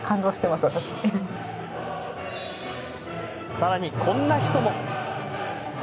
さらに、こんな人も。